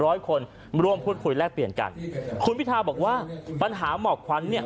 ร้อยคนร่วมพูดคุยแลกเปลี่ยนกันคุณพิทาบอกว่าปัญหาหมอกควันเนี่ย